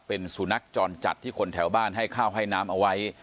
เป็นสุนัขจรจัดที่คนแถวบ้านให้ข้าวให้น้ำเอาไว้